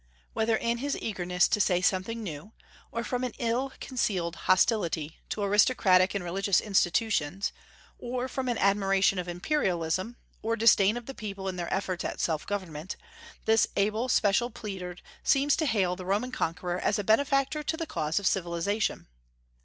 Whether in his eagerness to say something new, or from an ill concealed hostility to aristocratic and religious institutions, or from an admiration of imperialism, or disdain of the people in their efforts at self government, this able special pleader seems to hail the Roman conqueror as a benefactor to the cause of civilization.